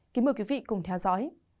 kính mời quý vị cùng theo dõi